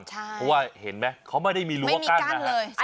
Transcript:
เพราะว่าเห็นไหมเขาไม่ได้มีรั้วกั้นนะครับไม่มีกั้นเลยใช่ค่ะ